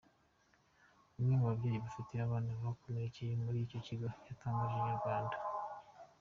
Umwe mu babyeyi bafite abana bakomerekeye muri icyo kigo, yatangarije Inyarwanda.